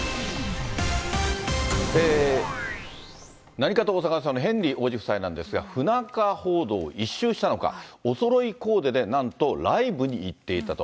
何かとお騒がせなヘンリー王子夫妻なんですが、不仲報道を一蹴したのか、おそろいコーデでなんとライブに行っていたと。